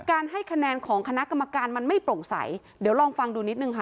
การให้คะแนนของคณะกรรมการมันไม่โปร่งใสเดี๋ยวลองฟังดูนิดนึงค่ะ